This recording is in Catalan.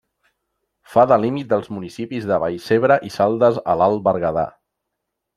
Fa de límit dels municipis de Vallcebre i Saldes a l'Alt Berguedà.